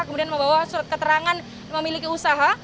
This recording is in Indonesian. kemudian membawa surat keterangan memiliki usaha